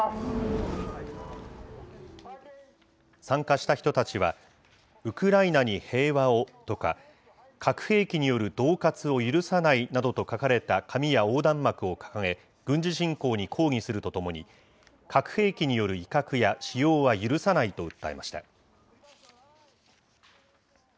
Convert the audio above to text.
参加した人たちは、ウクライナに平和をとか、核兵器によるどう喝を許さないなどと書かれた紙や横断幕を掲げ、軍事侵攻に抗議するとともに、核兵器による威嚇や使用は許さないと訴えました。